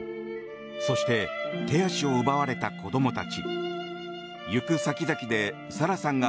そして手足を奪われた子供たち。